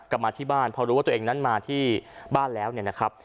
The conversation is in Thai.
กลับมาที่บ้านพอรู้ว่าตัวเองนั้นมาที่บ้านแล้วเนี่ยนะครับ